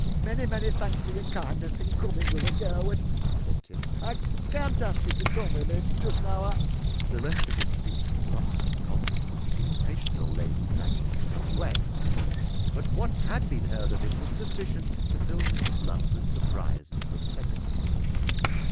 Many, many thanks for your kindness in coming with her, Gurwood," said Tipps. "I can't ask you to come with me just now, I " The rest of his speech was lost in consequence of the impatient old lady dragging her son away, but what had been heard of it was sufficient to fill Mr Blunt with surprise and perplexity.